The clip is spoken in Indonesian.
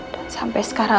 dan sampai sekarang